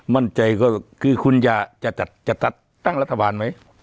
มั่นใจก็คือคุณจะจัดตั้งรัฐบาลไหม